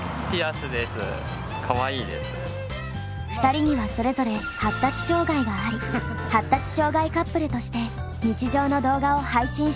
２人にはそれぞれ発達障害があり発達障害カップルとして日常の動画を配信しています。